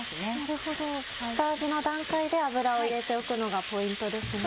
下味の段階で油を入れておくのがポイントですね。